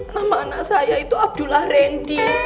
nama anak saya itu abdullah randy